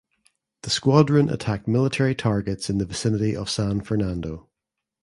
The squadron attacked military targets in the vicinity of San Fernando.